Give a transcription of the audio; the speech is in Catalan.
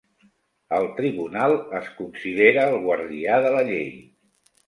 El Tribunal es considera el guardià de la llei.